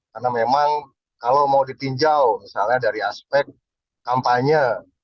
karena memang kalau mau ditinjau misalnya dari aspek kampanye